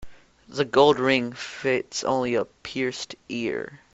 The gold ring fits only a pierced ear.